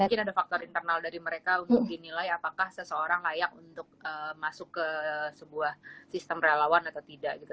mungkin ada faktor internal dari mereka untuk dinilai apakah seseorang layak untuk masuk ke sebuah sistem relawan atau tidak gitu